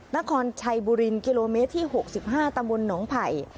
นครชัยบุรีกิโลเมตรที่๖๕ตำบลหนองไผ่